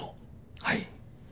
はい。